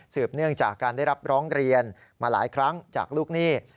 เนื่องจากการได้รับร้องเรียนมาหลายครั้งจากลูกหนี้